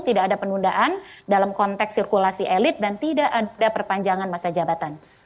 tidak ada penundaan dalam konteks sirkulasi elit dan tidak ada perpanjangan masa jabatan